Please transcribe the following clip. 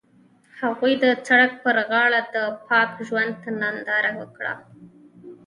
هغوی د سړک پر غاړه د پاک ژوند ننداره وکړه.